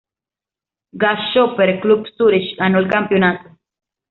Grasshopper-Club Zürich ganó el campeonato.